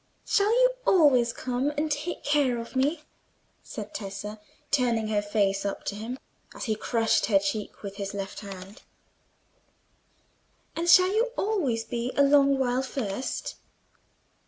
"Shall you always come and take care of me?" said Tessa, turning her face up to him, as he crushed her cheek with his left hand. "And shall you always be a long while first?"